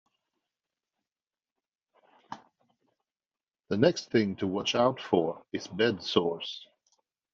The next thing to watch out for is bed sores.